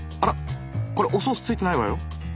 あらこれおソースついてないわよ。